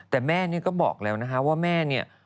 แต่แม่เนี่ยก็บอกแล้วนะคะว่าแม่เนี่ย